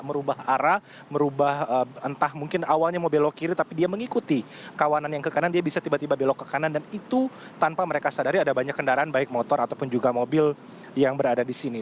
merubah arah merubah entah mungkin awalnya mau belok kiri tapi dia mengikuti kawanan yang ke kanan dia bisa tiba tiba belok ke kanan dan itu tanpa mereka sadari ada banyak kendaraan baik motor ataupun juga mobil yang berada di sini